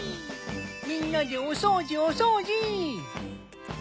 みんなでお掃除お掃除！